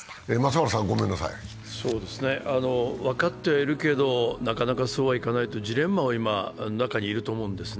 分かってはいるけど、なかなかそうはいかないというジレンマの中にいると思うんですね。